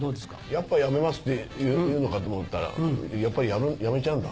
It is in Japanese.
「やっぱやめます」って言うのかと思ったらやっぱり辞めちゃうんだ。